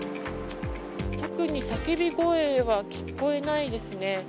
特に叫び声は聞こえないですね。